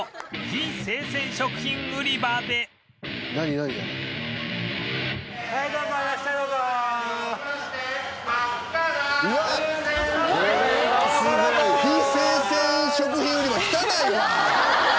非生鮮食品売り場汚いな！